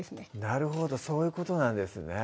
なるほどそういうことなんですね